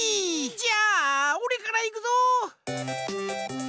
じゃあおれからいくぞ！